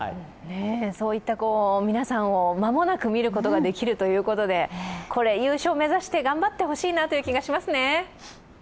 そういった皆さんを間もなく見ることができるということでこれ優勝目指して頑張ってほしいなという気がしますね。